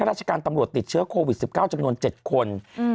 ราชการตำรวจติดเชื้อโควิด๑๙จำนวน๗คน